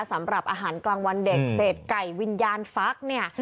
สำหรับอาหารกลางวันเด็กเศษไก่วิญญาณฟักเนี่ย